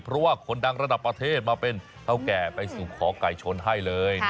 เพราะว่าคนดังระดับประเทศมาเป็นเท่าแก่ไปสู่ขอไก่ชนให้เลย